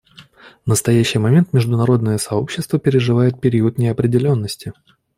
В настоящий момент международное сообщество переживает период неопределенности.